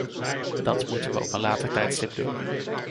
Dat moeten we op een later tijdstip doen.